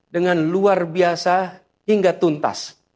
dengan luar biasa hingga tuntas